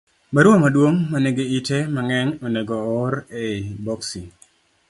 Barua maduong' ma nigi ite mang'eny onego oor e i boksi